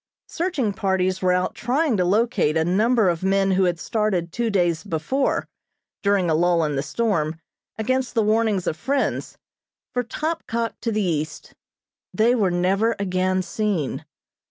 Searching parties were out trying to locate a number of men who had started two days before, during a lull in the storm, against the warnings of friends, for Topkok to the east. They were never again seen.